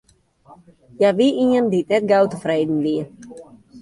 Hja wie ien dy't net gau tefreden wie.